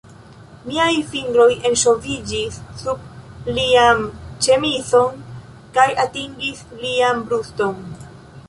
Miaj fingroj enŝoviĝis sub lian ĉemizon kaj atingis lian bruston.